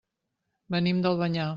Venim d'Albanyà.